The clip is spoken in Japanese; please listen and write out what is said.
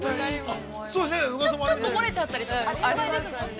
◆ちょっと漏れちゃったりとか、心配ですもんね。